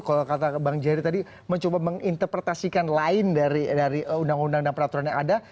kalau kata bang jerry tadi mencoba menginterpretasikan lain dari undang undang dan peraturan yang ada